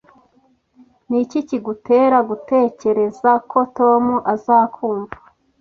Niki kigutera gutekereza ko Tom azakumva?